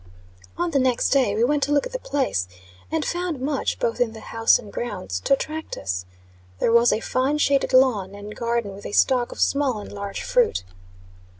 On the next day we went to look at the place, and found much, both in the house and grounds, to attract us. There was a fine shaded lawn, and garden with a stock of small and large fruit.